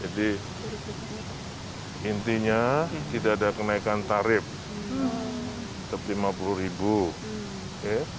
jadi intinya tidak ada kenaikan tarif tetap rp lima puluh